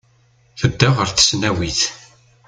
Tedda ɣer tesnawit.